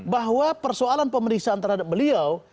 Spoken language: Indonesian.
bahwa persoalan pemeriksaan terhadap beliau